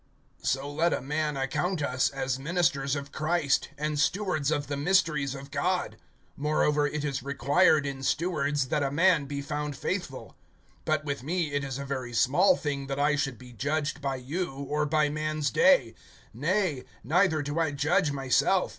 SO let a man account us, as ministers of Christ, and stewards of the mysteries of God. (2)Moreover, it is required in stewards, that a man be found faithful. (3)But with me it is a very small thing that I should be judged by you, or by man's day[4:3]; nay, neither do I judge myself.